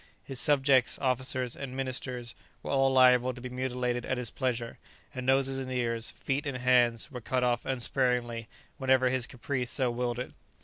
His subjects, officers, and ministers, were all liable to be mutilated at his pleasure, and noses and ears, feet and hands, were cut off unsparingly whenever his caprice so willed it.